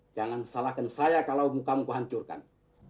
jangan salahkan saya kalau muka muku hancurkan